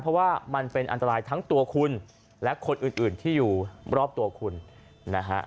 เพราะว่ามันเป็นอันตรายทั้งตัวคุณและคนอื่นที่อยู่รอบตัวคุณนะฮะ